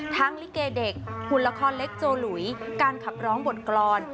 ลิเกเด็กหุ่นละครเล็กโจหลุยการขับร้องบทกรรม